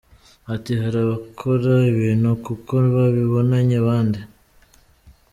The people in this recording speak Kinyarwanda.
Ati “Hari abakora ibintu kuko babibonanye abandi.